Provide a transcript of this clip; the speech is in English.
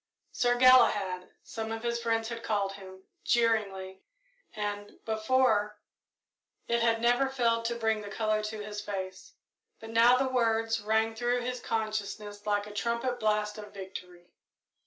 "Sir Galahad," some of his friends had called him, jeeringly, and, before, it had never failed to bring the colour to his face; but now the words rang through his consciousness like a trumpet blast of victory.